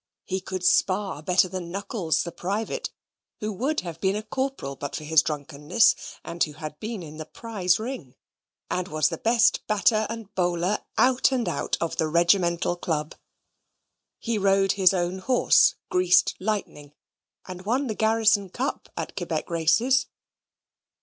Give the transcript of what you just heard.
He could spar better than Knuckles, the private (who would have been a corporal but for his drunkenness, and who had been in the prize ring); and was the best batter and bowler, out and out, of the regimental club. He rode his own horse, Greased Lightning, and won the Garrison cup at Quebec races.